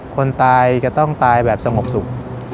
คนตายจะต้องตายแบบสงบสุข